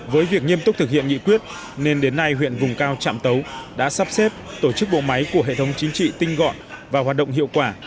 với việc nghiêm túc thực hiện nghị quyết nên đến nay huyện vùng cao trạm tấu đã sắp xếp tổ chức bộ máy của hệ thống chính trị tinh gọn và hoạt động hiệu quả